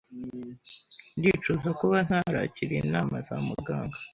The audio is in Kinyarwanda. Ndicuza kuba ntarakiriye inama za muganga.